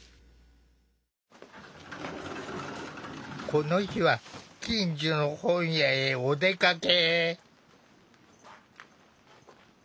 この日は近所の本屋へお出かけ。